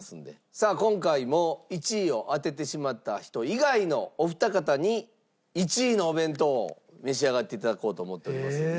さあ今回も１位を当ててしまった人以外のお二方に１位のお弁当を召し上がって頂こうと思っておりますんで。